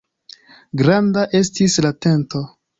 Granda estis la tento.